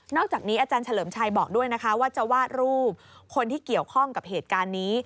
อกจากนี้อาจารย์เฉลิมชัยบอกด้วยนะคะว่าจะวาดรูปคนที่เกี่ยวข้องกับเหตุการณ์นี้